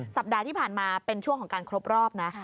สัปดาห์ที่ผ่านมาเป็นช่วงของการครบรอบนะ